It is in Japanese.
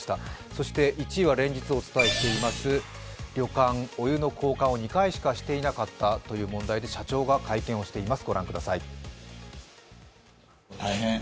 そして１位は連日お伝えしています旅館、お湯の交換を２回していなかったということで社長が会見をしています。